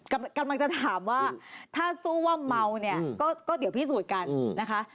กำลังจะถามว่าถ้าสู้ว่าเมาเนี่ยก็เดี๋ยวพิสูจน์กันนะคะ